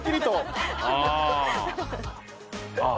ああ。